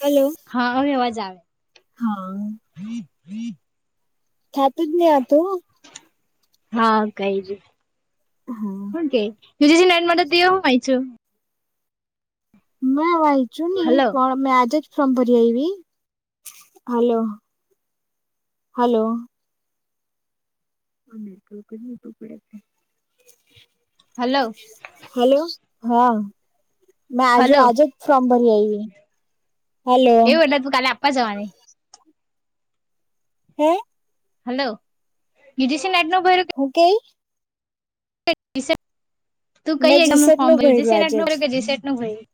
Hello હા હવે અવાજ આવે હા. [inaudible] થતું જ ની હતું. હા કઈ દે હા હું કેય [unintelligible] માં તો તેઓ હોય છે. મેં વાચ્યુંની હલો પણ મે આજે જ સંભરી આયવી હાલો હાલો આ નેટવર્ક જ ની પકડે તે હલો હેલો હા મેં આજુ હલો આજે જ ફોર્મ ભરી આયવી હલો. એવું એટલે તુ કાલે આપવા જવાની હે. હાલો ઈજીસી નેટનુ ભર્યું કે હું કેય તું મેં કઈ એકઝામનું જીસેટ નું ફોર્મ ભર્યું જીસેટ આજે નેટનું જ ભર્યું કે જીસેટનું ભર્યું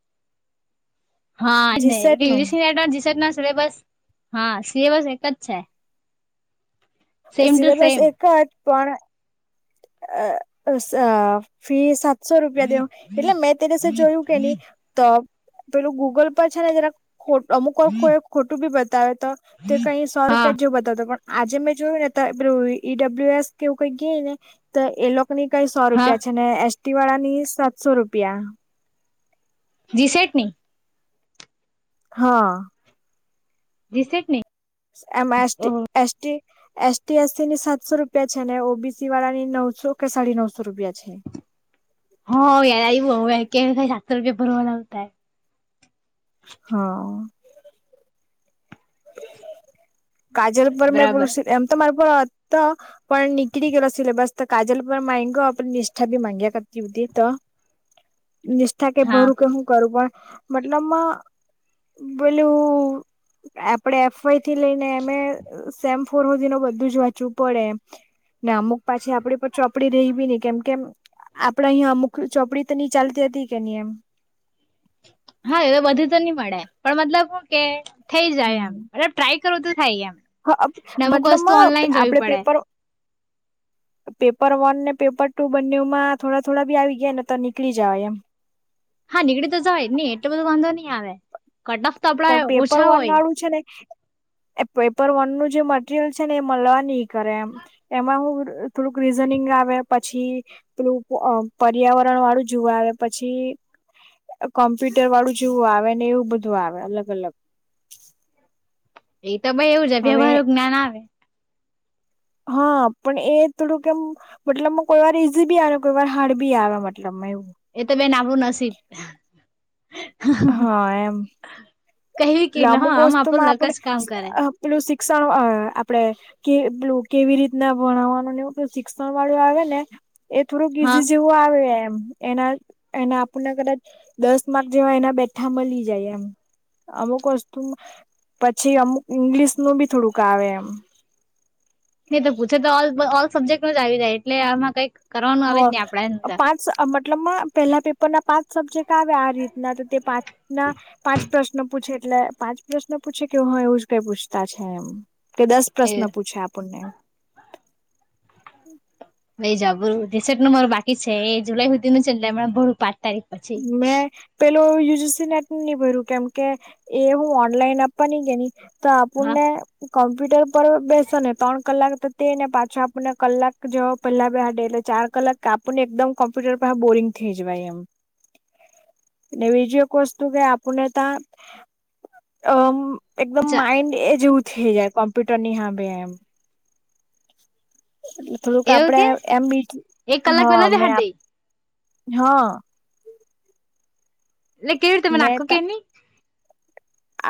હા [unintelligible] જીસેટ નું જી સેટના સિલેબસ હા સિલેબસ એક જ છે. સેમ ટુ સિલેબસ સેમ એક જ પણ અ સ ફી સાત સો રૂપિયા દેહુ એટલે મેં તે દિવસે જોયું કે ની તો પેલું ગૂગલ પર છે, ને જરાક ખોટ અમુક વાર કોઈ ખોટું બી બતાવે તો તે કઈ સો હા રૂપિયા જેવું બતાવે તો પણ આજે મેં જોય ને તો પેલુ ઈડબલ્યુ એસ કેવું કઈ કેય ને તો એ લોક કોની કઈ સો હા રૂપિયા છે, ને એસટી વાળાની સાતસો રૂપિયા જી સેટ ની હા. જીસેટ ની એમાં એસ ટી ઓહો S T S T S સીની સાતસો રૂપિયા છે, ને ઓબીસી વાળાની નવસો કે સાડી નવસો રૂપિયા છે. હ યાદ આયવુ અવે કે સાતસો રૂપિયા ભરવાના ઉતા એમ હા. કાજલ પર મેં બરાબર પુરુષિત એમ તો મારે પણ અતો પણ નીકળી ગેલો સિલેબસ તો કાજલ પર માયગો આપ નિષ્ઠા બી માંગ્યા કરતી ઉતી તો નિષ્ઠા કે હા ભરું કે હું કરું પણ મતલબમાં બોલું એપ આપડે એફ વાઇ થી લઈને એમે સેમ ફોર સુધી ન બધું જ વાંચવું પડે એમ ના અમુક પાછી આપડી પર ચોપડી રહીવીી નહી કેમ કેમ આપડે અહંયા અમુક ચોપડી તો નની ચાલતી હતી કે નહી એમ હા એવે બધું તો નહી મળે. પણ મતલબ શું કે થઈ જાય એમબ ટ્રાય કરું તો થાય એમ નમુક વસ્તુ મતલબમાં ઓનલાઈન જોવી આપડે પડે પેપર પેપર વન ને પેપર ટુ બંનેમાં થોડા થોડા બી આવી ગયા. ને તો નીકળી જવા એમ [unintelligible] હા નીકળી તો જવાય નહી એટલો બધો વાંધો નહી આવે કટ ઓફ તો આપડા પણ પેપર ઓછા વન હોય વાળું છે ને એ પેપર વન જે મટરિયલ છે ને એ મળવા નહ કરે એમ એમાં હ થોડુંક રીઝનિંગ આવે પછી. પેલું પર્યાવરણ વાળું જોવા આવે પછી. કોમ્પ્યુટર વાળું જેવું આવે ને એવું બધું આવે અલગ અલગ એ તો ભાઈ એવું જ હવે ભમારું જ્ઞાન આવે હા પણ એ થોડું કેમ મતલબ કોઈ વાર ઈઝી બી આવે કોઈ વાર હાર્ડ બી આવે મતલબ એવું એ તો બેન આબું નસીબ હા એમ કહેવી કે હ અમુક આમ વસ્તુ માં આપણું લક આપણે જ કામ કરે પેલું શિક્ષણ અ આપડે કે કેવી રીતના ભણાવવાનું નેવ શિક્ષણ વાળું આવે ને એ થોડુંક હા ઈઝી જેવું આવે એમ એના એના આપણને કદાચ દસ માર્ક જેવા એના બેઠા મળી જાય એમ.. અમુક વસ્તુ પછી અમુક ઇંગ્લિશ નું બી થોડુંક આવે એમ... નહી તો પૂછે તો ઓલ ઓલ સબ્જેક્ટ જ આવી જાય એટલે આમાં કંઈક હ પાંચ મતલબમાં પેલા પેપર ના પાંચ સબ્જેક્ટ આવે આ રીતના તો તે પાંચ ના પાંચ પ્રશ્નો પૂછે એટલે પાંચ પ્રશ્નો પૂછે કેવું હ એવું જ કઈ પૂછતા છે એમ. કે દસ એ પ્રશ્ન પૂછે આપણને લઈ જરું જીસેટ નું મારે બાકી છે એ જુલાઈ સુધીનું છે એલે બું પાછ મે પે લુ યુજીસી નેટ નહી ભર્યું કેમ કે એ હું ઓનલાઈન આપવા નની કે ન તો હા આપણને કોમ્પ્યુટર પર બેસો ને ત્રણ કલાક તો તે ને પાછો આપણને કલાક જવ પેલા બે આ ડેલે ચાર કલાક આપણ ને એકદમ કોમ્પ્યુટર પર બોરિંગ થઈ જવાય એમ. ને બીજી એક વસ્તુ કે આપને ત્યા અ એકદમ માઇન્ડ એ જેવું થઈ જાય કોમ્પ્યુટર ની સામે એમ એટલે થોડુંક એવું આપડે કે એમ બી એક કલાક હા પેલા જ મે હાડ દઈ હ. એટલે કેવી રીતે મને આખુ કે ની.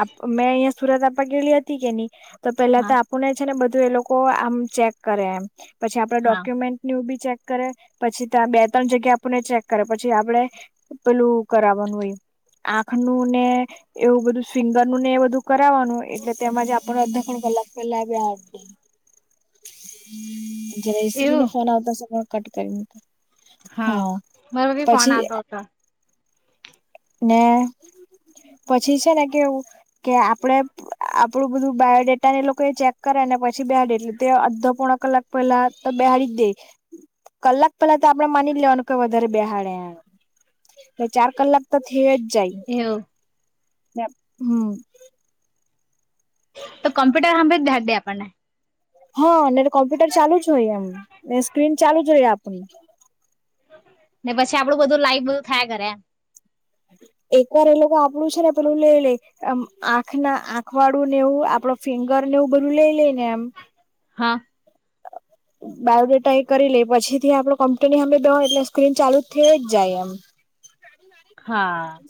આપ મેં અહીંયા સુરત આપવા ગેલી હતી કે નહી તો પેલા તો હા આપણ ને છે ને બધું બધું એ લોકો આમ ચેક કરે એમ પછી આપડ હા ડોક્યુમેન્ટ નું બી ચેક કરે પછી ત્યાં બે ત્રણ જગ્યા આપણને ચેક કરે પછી આપડે પેલું કરાવવાનું હોય આંખ નું ને એવું બધું સ્વિંગરનું ને એ બધું કરાવાનું એટલે તેમાંજ આપ અડધા ત્રણ કલાક પેલા આવ્યા જરા ઈસ્રી એવું ન ફોન આવતા કટ કરી હા મારો બી ફોન પછી આવતો હતો ને પછી છે ને કેવું કે આપડે આપડું બધું બાયોડેટાને એ લોકો એ ચેક કરે ને પછી બેહાડે એટલે તે અડધો પોણા કલાક પેલા તો બહારી જ દે કલાક પેલા તો આપડે માની લેવાનું કે વધારે બેહાડે એમ ચાર કલાક તો થઇ જ જાય એવું હમ ને આપ હમ. તો કોમ્પ્યુટર હામે જ બેહાડ દે આપણને હા અને કોમ્પ્યુટર ચાલુ જ હોય એમ સ્ક્રીન ચાલુ જ હોય આપડી. ને પછી આપડું બધું લાઈવ બધું થાય કરે એ [inaudible] એક વાર એ લોકો આપણું છે ને પેલું લે લય આમ આંખ ના આંખ વાળું ને એવું આપડો ફિંગર ને એવુ બધું લઈ લઈને એમ હા બાયોડેટા એ કરી લે પછી થી આપડો કમ્પ્યુટ ની સામે બેય એટલે સ્ક્રીન ચાલુ જ થઈ જ જાય આમ. હા.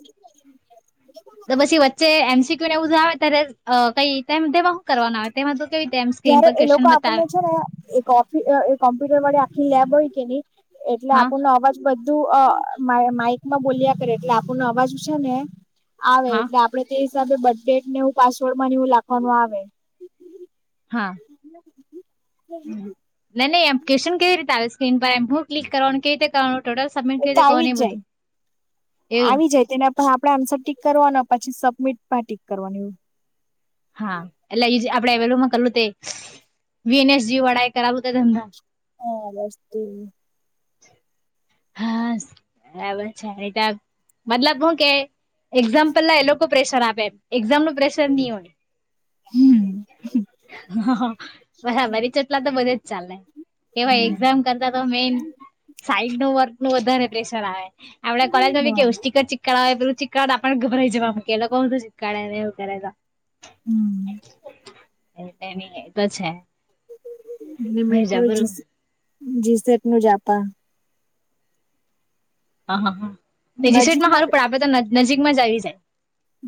તો પછી વચ્ચે એમસીક્યુ ને એવું આવે ત્યારે કઈ તેમ તેમાં શું કરવાનું આવે તેમાં તો કેવી રીતે એમ સ્ક્રીન તયયારે પર એ લોકો ક્વેશ્ચન આપણને બતાવે છે ને એક કોમ્પ્યુટર વાળી આખી લેબ હોય કે નહી એટલે હા આપણો અવાજ બ તું અ મા માઈકમાં બોલ્યા કરે એટલે આપનો અવાજ છે ને આવે હા એટલે આપડે તે હિસાબે બડેટ ને એવું પાસવર્ડ માં એવું લખવાનું આવે. નહી નહી એમ્લિકેશન કેવી રીતે આવે સ્ક્રીન પર એમ હું ક્લિક કરવાનું કેવી રીતે કરવાનું ટોટલ સબમિટ એ કેવી તો રીતે આવી કરવાનું જ જાય બધું એવું આવી જાય તેને પણ આપડે આંસર ટિક કરવાનું પછી સ સબમીટ માં ટીક કરવાની એવું. હા એટલે ઈજ આપડે એવેલમાં કરલું તે વીએનએસજી વડા એ કરાવું ત તમને હા બસ એ. હાસ બરાબર છેટ મતલબ હું કે એક્ઝામ પહેલા એ લોકો પ્રેશર આપે એમ એક્ઝામ ન પ્રેશર નહી હોય હમ્મ હ હ હ બરાબરી ઇ ચોચલા તો બધે જ ચાલે. કેવાય હમ એક્ઝામ કરતા તો મેન સા ઇડનું વધારે પ્રેશર આવે આપડે કોલેજમાં બી હા કેવુ સ્ટીકર ચીકડાવે પેલું ચીકડ આપણ - [unintelligible] હમ્મ. એતો છે એટલે મેં કર્યું જબરું જીસેટ નું જાપા હા-હા-હા. બીજી સીટમાં નજીકમાં હારું પણ આપે તો નજીકમાં જ આવી જાય.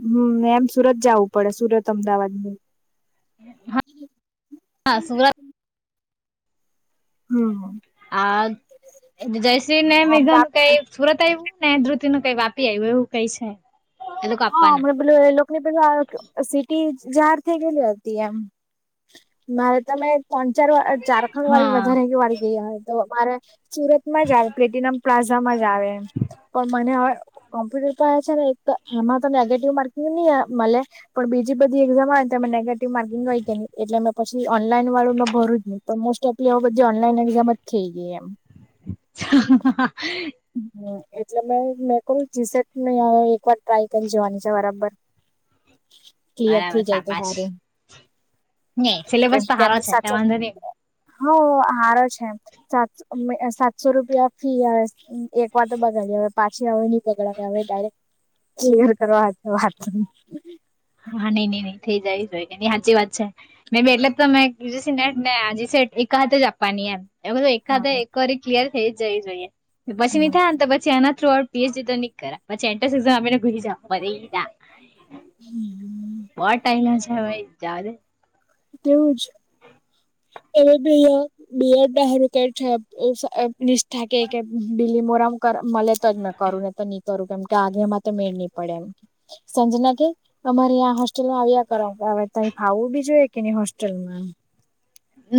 હમ એમ સુરત જવું પડે સુરત અમદાવાદ ને હા હા સુરત હમ્મ. આ જયશ્રીને મેઘાન કઈ હા સુરત આયવુ ને ધ્રુતિ નું કઈ વાપી આવ્યું એવું કઈ છે. એ લોકો હા આપવાના હ બલું એ લોકો ને પે સિટી જાર થઈ ગયલી હતી એમ મારે તમે ત્રણ ચાર વા ચારખંડ વાર હા વધારે એક વાર ગયા હોય તો અમારે સુરતમાં જ આવે પ્લેટિનમ પ્લાઝામાં જ આવે એમ પણ મને હવે કોમ્પ્યુટર છે ને એક તો એમાં તો નેગેટિવ માર્કિંગ નહી મળે પણ બીજી બધી એક્ઝામ આવેને અમે નેગેટિવ માર્કિંગ હોય કે ન એટલે મે પછી ઓનલાઈન વાળું મેં ભર્યું જ નહીં પણ મોસ્ટ ઓફલી બધી ઓનલાઈન એક્ઝામ જ થઈ ગઈ એમ. [inaudible] હમ એટલે મેં મેં કહુ જીસટ એક વાર ટ્રાય કરી જવાની છે બરાબર. ક્લિયર બરાબર થઈ જાય તો શાબાશ. સારું નહી સિલેબસ તો હારો છે વાંધો નહી. હ હારો છે સાસો સાતસો રૂપ ફી એક વાર તો બગાડી હવે પાછી હવે નહી બગાડ હવે ડાયરેક્ટ જીના કરવા છે વાત હા નઈ નઈ નઈ થઈ જવી જો હોય સાચી વાત છે નઈ એટલે તમે બીજુ સેને આ એક હાથે આપવાની એમ એક હા હાથે એક કરી ક્લિયર એ જઈ જોઈએ પછી ની થાય ને તો પછી એના થ્રુ પીએચડી તો ની કર પછી એન્ટ્રસ અમેને ઘૂસી જ હમ્મ. બહુજ ટાઈમ ના છે હવે જાઓ ને. તેવું જ [unintelligible] બીલીમોરામાં કર મલે તોજ કરુ નહી કરુ. કર કેમ કે આગેમાં તો મેળ નહી પડે એમ સંજના કે અમારેં હોસ્ટેલમાં આવ્યા કર હવે તો ફાવું બી જોઈએ કે ને હોસ્ટેલમાં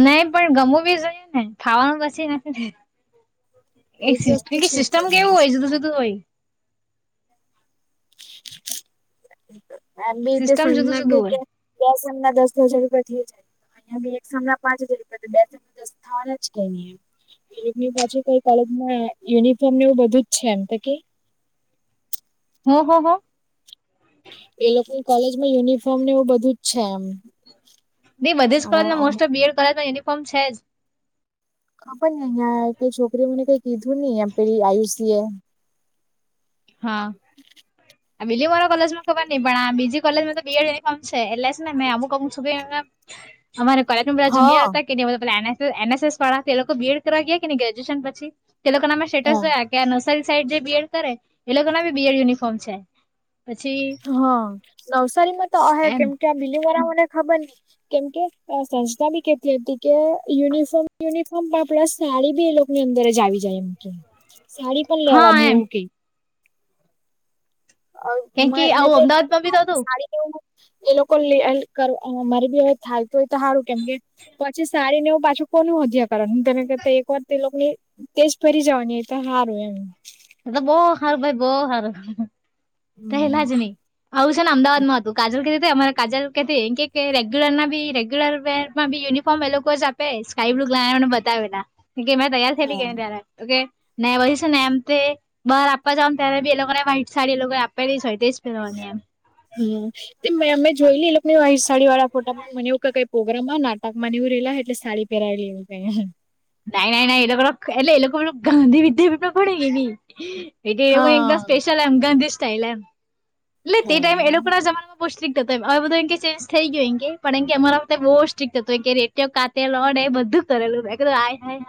નહી પણ ગમું બી જોયું ને ખાવાનું પછી નથી. એક એજ વસ્તુ એક છે કે સિસ્ટમ કેવું નહી હોય જુદું જુદું હોય. [inaudible] આ બી એતે સિસ્ટમ જુદું સંજના જુદું કે કે હોય દસ દસ હજાર ર જાય અંયા એક સાના પાંચ હજર બે સાના દસ થવાના જ કે ન એની પાછળ કઈ કોલેજમાં યુનિફોર્મ એવું બધું જ છે એમ તો કે હો-હો-હો. એ લોકોની કોલેજ માં યુનિફોર્મ ને એવું બધું જ છે એમ. નહી બધી જ કર હવે મોસ્ટર બીએડ કરે યુનિફોર્મ છે જ. ખબર નઈ અહિયાં કઈ છોકરી મને કઈ કીધું નહી એમ પેલી આયુસી એ બીલીમોરા કોલેજમાં ખબર નહિ પણ આ બીજી કોલેજમાં તો બીએડ યુનિફોર્મ છે એટલે જ ને મેં અમુક અમુક છી અમારે કોલેજ માં બધા જુનિર હા હતા કે એ બધુ પ્લાન એનસએસ વાળા તે લોકો બીએડ કરવા ગયા કે ગ્રેજ્યુએશન પછી તે લોકો નામે સેટસ હા જોયા ગયા. સાઈ જે બીએડ કરે એ લોકો ના બી બીએડ યુનિફોર્મ છે. પછી હા નવસારીમાં તો રહે એમ કેમ આ બીલીમોરા મા ખબર ન કેમ સંસ્થા બી કેતી હતી કે યુનિફોર્મ યુનિફોર્મ સાડી બી એ લોકો ની અંદર જ આવી જાય એમ કે સાડી પણ હા લેવાની એમ એવું કઈ. કેમ કે મે આવું અમદાવાદમાં બી તો હતું સાડી લે [unintelligible] એ લોકો મારી બી હવે થાલતું હોય તો સારું કેમ કે પછી સારીને હું પાછું. લોકોનું હત્યા કરણ તેને કરતા એક વાર તે લોકોને તેજ ફરી જવાની એ હાર હોય એમ તો બહુ હારું ભાઈ બો હારું હમ. પેલા જ નહી આવું છે. ને અમદાવાદ માં હતું કાજલ કીધું અમારે કાજલ કેતી રેગ્યુલર નોગ્યુલર વેર માંથી યુનિફોર્મ એ લોકો જ આપે સ્કાય બ્લુ ને મને બતાવે ના કે કે મેં તૈયાર થયેલી કે હા તરા ઓ ને પછી ને એમ તો બહાર આપવા જાવ ત્યારે બી એ લોકો ને વ્હાઈટ સાાડી એ લોકો આપે પે તેજ પેરવા ની હમ અમે જોયલી એ વાઈટ સાડી વાળા ફોટા મને કહ્યું કે કઈ પ્રોગ્રામ માં નાટક માની. લા એટલે સાડી પહેરાવી લેું ક [unintelligible] નાહી ના ના એ લોકો એટલે એ લોકો પણ ગાંધી વિદ્યા પણ પડે કે ન એ એવ એકદમ હા સ્પેશલ એમ ગાંધી સ્ટાઈલ એમ એટલે તે હા ટાઈમ એ લોકો ના જમાનામાં બહુ સ્ટિકકટહતોવે બધું કે ચેન્જ થઈ ગયું એ કે પણ એ અરાતે બહુ સ્ટિકક્ટ હતું કે રેટયો કાતેને એ બધું કરેલું હાય, હાય,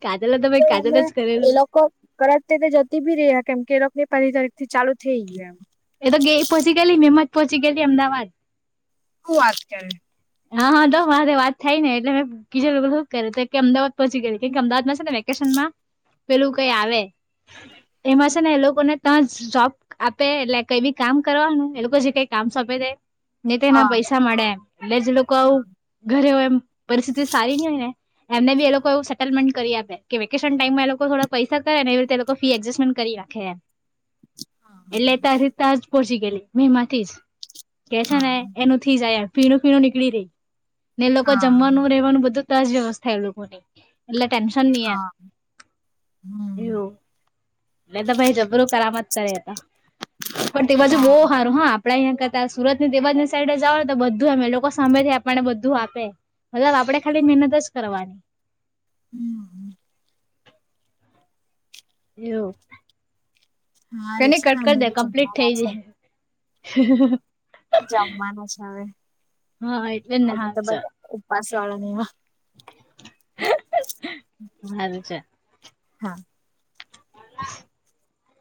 હાય કાજલ ભાઈ તો કાજલ હમણા જ એ કરેલું લોકો કરચ તે તે જતી બી રહ્યા કેમ કે એ લોકો [unintelligible] એ પંહેલી તારીખ થી ચાલુ થઈ ગયું એમ. એ તો ગયે પહોચી ગયેલી નીમત પહોચી ગયેલી અમદાવાદ. હું આજકાલ હા હા તો મારે વાત થાય ને એટલે મેં કીજું શું કરે કે અમદાવાદ પહોચી ગયે કેમ કે અમદાવાદમાં છે. ને વેકેશન માં પેલું કઈ આવે એમાં છે. ને એ લોકોને ત્યાં જોબ આપે એટલે કઈ બી કામ કરવાનું એ લોકો જે કઈ કામ સોપી દેય ને તેના એના હા પૈસા મળે, એટલે જે લોકો આવું ઘરે હોય, એમ પરિસ્થિતિ સારી નહીં હોય ને. એમને બી, એ લોકો એ સેલમેન્ટ કરી આપે કે, વેકેશન ટાઈમમાં એ લોકો થોડા પૈસા. કરે ને, એવી રીતે એ લોકો ફી એડજસ્ટમેન્ટ કરી નાખે. એ એટલે, હા તારી રીતે તા જ પહોંચી ગયેલી. મે માંથી જ કે છે. ને, એનું થી જ આ ફીણું ફીણું નીકળી રહી. ને, એ લોકો હા જમવાનું, રેવાનું બધું ત્યા વ્યવસ્થા એ લોકોની એટલે ટેન્શન નહીં એમ. હા હમ એવું એટલે તો ભાઈ જબરું કરામત કરે. પણ, તે બાજુ બહુ હા સારું. હ. આપણે અહીંયા કરતાં સુરત ની તે બાજુ ની સાઈડ જોઓ ને, તો બધું એમ, એ લોકો સાંમેથી આપણને બધું આપ મતલબ, આપડે ખાલી મહેનત જ કરવાની. હમ, હમ. [unintelligible] એવું હારું ઘણી છે ને કટ કરી અમે દે બી કમ્પ્લીટ થઈ જમવાના જાય. હ [unintelligible] જમવાનું છે. હવે હા એટલે જ ને આજે તો હારું ચાલ ઉપવાસ વાળા. હારુ, ચાલ. હા [unintelligible] હા.